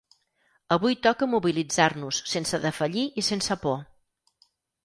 Avui toca mobilitzar-nos sense defallir i sense por.